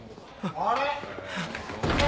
あれ！